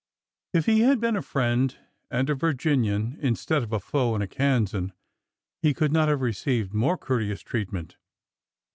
If he had been a friend and a Virginian instead of a foe and a Kansan, he could not have received more cour teous treatment.